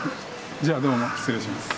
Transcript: じゃあどうも失礼します。